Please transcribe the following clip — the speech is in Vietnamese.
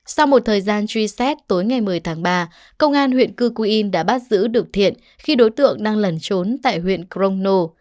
sau một thời gian truy xét tối ngày một mươi tháng ba công an huyện cư cu yên đã bắt giữ được thiện khi đối tượng đang lẩn trốn tại huyện crono